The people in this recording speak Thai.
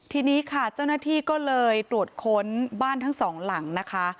ทีนี้ค่ะเจ้าหน้าที่ก็เลยตรวจค้นบ้านทั้งสองหลังนะคะ